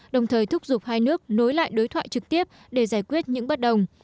đồng thời thúc giục hai nước nối lại đối thoại trực tiếp để giải quyết những bất đồng